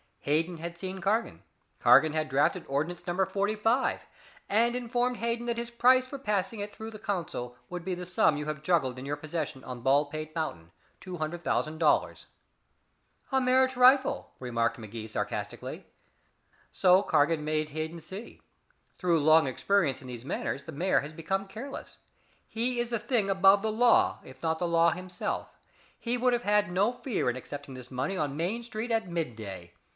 Hayden had seen Cargan. Cargan had drafted Ordinance Number 45, and informed Hayden that his price for passing it through the council would be the sum you have juggled in your possession on Baldpate Mountain two hundred thousand dollars." "A mere trifle," remarked Magee sarcastically. "So Cargan made Hayden see. Through long experience in these matters the mayor has become careless. He is the thing above the law, if not the law itself. He would have had no fear in accepting this money on Main Street at midday.